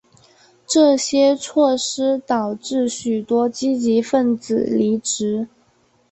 这些措施导致许多积极份子离职。